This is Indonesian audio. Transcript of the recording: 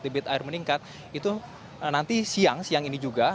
debit air meningkat itu nanti siang siang ini juga